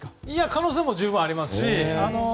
可能性も十分ありますし。